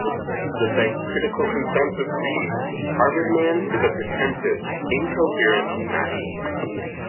The site's critical consensus reads, "Harvard Man" is a pretentious, incoherent mess.